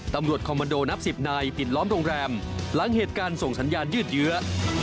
คอมมันโดนับสิบนายปิดล้อมโรงแรมหลังเหตุการณ์ส่งสัญญาณยืดเยื้อ